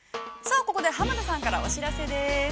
◆ここで、濱田龍臣さんからお知らせです。